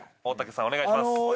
大竹さんお願いします